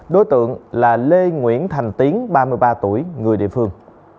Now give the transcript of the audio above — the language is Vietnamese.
đối tượng là lê nguyễn thành tiến ba mươi ba tuổi người địa phương